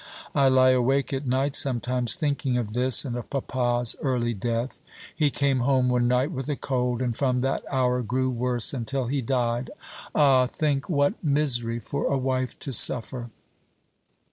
I lie awake at night sometimes thinking of this, and of papa's early death. He came home one night with a cold, and from that hour grew worse until he died. Ah, think what misery for a wife to suffer!